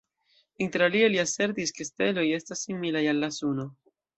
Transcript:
Interalie li asertis, ke steloj estas similaj al la Suno.